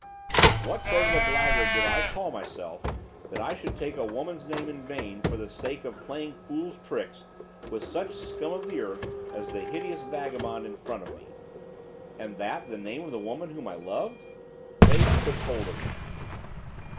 What sort of a blackguard did I call myself that I should take a woman's name in vain for the sake of playing fool's tricks with such scum of the earth as the hideous vagabond in front of me, and that the name of the woman whom I loved? Rage took hold of me.